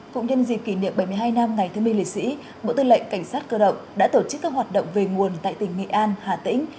cũng nhân dịp kỷ niệm bảy mươi hai năm ngày thương minh lễ sĩ bộ tư lệnh cảnh sát cơ động đã tổ chức các hoạt động về nguồn tại tỉnh nghệ an hà tĩnh